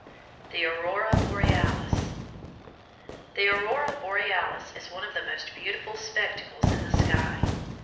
Macmillan_) THE AURORA BOREALIS The aurora borealis is one of the most beautiful spectacles in the sky.